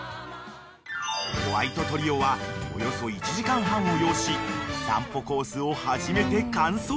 ［ホワイトトリオはおよそ１時間半を要し散歩コースを初めて完走］